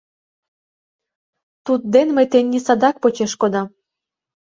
Тудден мый тений садак почеш кодам.